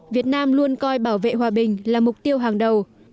việt nam luôn coi bảo vệ hòa bình là mục tiêu hàng đầu